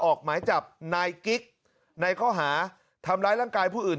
ออกหมายจับนายกิ๊กในข้อหาทำร้ายร่างกายผู้อื่น